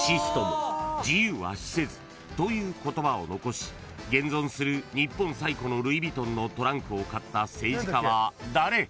［という言葉を残し現存する日本最古のルイ・ヴィトンのトランクを買った政治家は誰？］